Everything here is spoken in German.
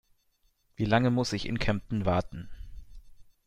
Wie lange muss ich in Kempten warten?